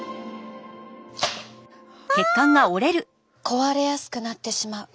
壊れやすくなってしまう。